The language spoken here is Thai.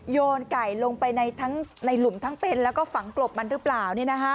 โยนไก่ลงไปในทั้งในหลุมทั้งเป็นแล้วก็ฝังกลบมันหรือเปล่า